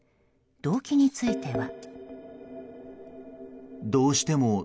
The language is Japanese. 動機については。